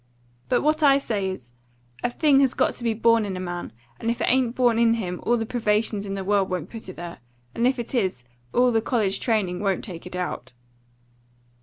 But what I say is, a thing has got to be born in a man; and if it ain't born in him, all the privations in the world won't put it there, and if it is, all the college training won't take it out."